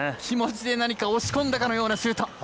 気持ちで何かを押し込んだかのようなシュート。